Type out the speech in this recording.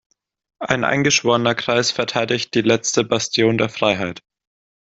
Ein eingeschworener Kreis verteidigt die letzte Bastion der Freiheit.